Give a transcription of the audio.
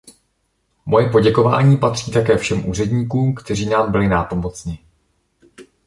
Moje poděkování patří také všem úředníkům, kteří nám byli nápomocni.